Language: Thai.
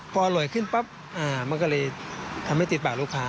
พออร่อยขึ้นปั๊บมันก็เลยทำให้ติดปากลูกค้า